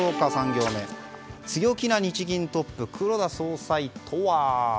３行目、強気な日銀トップ黒田総裁とは？